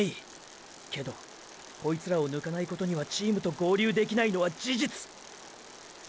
けどコイツらを抜かないことにはチームと合流できないのは事実！